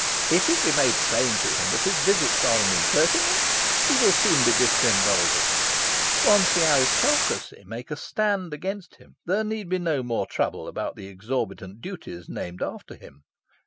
If it be made plain to him that his visits are an impertinence, he will soon be disemboldened. Once the aristocracy make a stand against him, there need be no more trouble about the exorbitant Duties named after him.